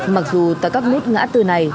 mặc dù tại các mút ngã tư này